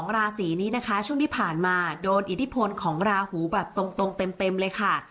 ราศีนี้นะคะช่วงที่ผ่านมาโดนอิทธิพลของราหูแบบตรงเต็มเลยค่ะ